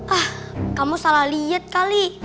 ah kamu salah lihat kali